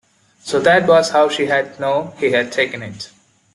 So that was how she had known he had taken it.